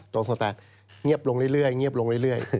ตรงสตรงแสดงเงียบลงเรื่อย